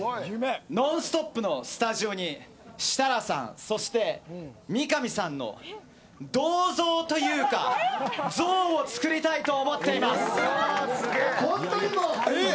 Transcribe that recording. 「ノンストップ！」のスタジオに設楽さん、そして三上さんの銅像というか像を作りたいと思っています。